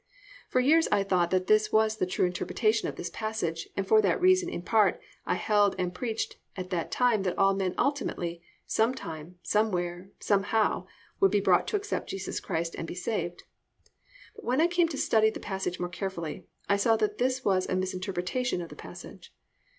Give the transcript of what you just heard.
For years I thought that this was the true interpretation of this passage, and for that reason in part, I held and preached at that time that all men ultimately, some time, somewhere, somehow, would be brought to accept Jesus Christ and be saved; but when I came to study the passage more carefully I saw that this was a misinterpretation of the passage.